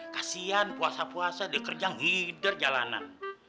kasian puasa puasa deh kerja ngider jalanan